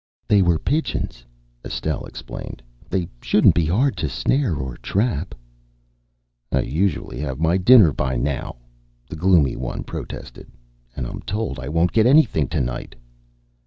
"They were pigeons," Estelle explained. "They shouldn't be hard to snare or trap." "I usually have my dinner before now," the gloomy one protested, "and I'm told I won't get anything to night."